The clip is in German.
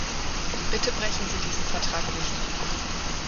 Bitte brechen Sie diesen Vertrag nicht.